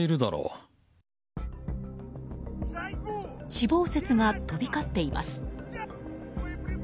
死亡説が飛び交っています。